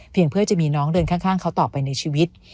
เพื่อจะมีน้องเดินข้างเขาต่อไปในชีวิต